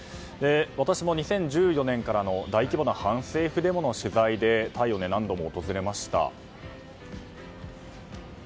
私も２０１４年からの大規模な反政府デモの取材でタイを何度も訪れました。